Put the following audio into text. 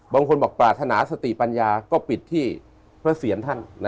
บางคนบอกปรารถนาสติปัญญาก็ปิดที่พระเสียรท่าน